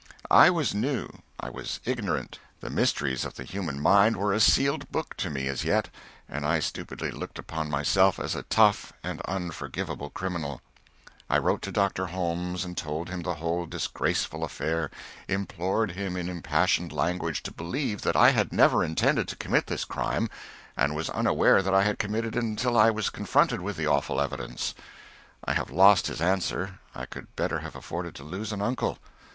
I was new, I was ignorant, the mysteries of the human mind were a sealed book to me as yet, and I stupidly looked upon myself as a tough and unforgivable criminal. I wrote to Dr. Holmes and told him the whole disgraceful affair, implored him in impassioned language to believe that I had never intended to commit this crime, and was unaware that I had committed it until I was confronted with the awful evidence. I have lost his answer, I could better have afforded to lose an uncle.